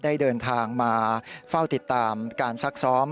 ได้เดินทางมาเฝ้าติดตามการซักซ้อม